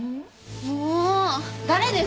もう誰ですか？